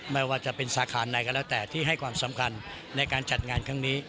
ไม่ว่าจะเป็นสาขาไหนก็แล้วแต่ที่ให้ความสำคัญในการจัดงานครั้งนี้